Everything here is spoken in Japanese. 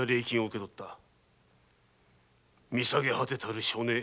見下げ果てたる性根。